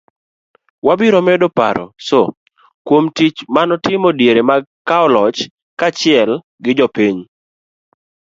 wabiro medo paro Soo kuom tich manotimo diere mag kawo loch kaachiel gi jopiny